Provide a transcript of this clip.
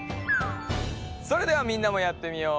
それではみんなもやってみよう！